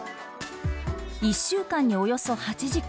１週間におよそ８時間